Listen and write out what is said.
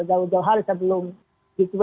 jauh jauh hari sebelum g dua puluh itu